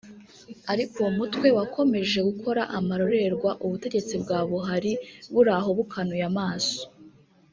ariko uwo mutwe wakomeje gukora amarorerwa ubutegetsi bwa Buhari buri aho bukanuye amaso